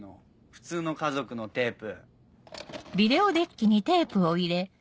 普通の家族のテープ。